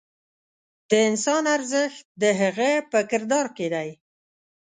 د انسان ارزښت د هغه په کردار کې دی.